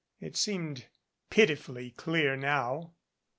It seemed pitifully clear now.